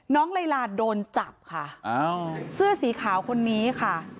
ลายลาโดนจับค่ะเสื้อสีขาวคนนี้ค่ะ